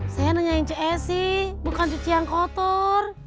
saya nengahin cek esi bukan cuci yang kotor